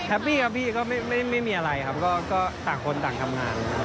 แฮพปี้กับพี่ไม่มีอะไรครับก็ต่างคนต่างอาหาร